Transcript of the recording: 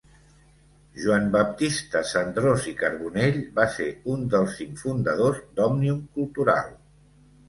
Joan Baptista Cendrós i Carbonell va ser un dels cinc fundadors d'Òmnium Cultural.